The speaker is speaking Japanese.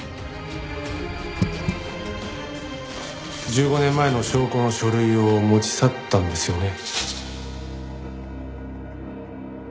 １５年前の証拠の書類を持ち去ったんですよね。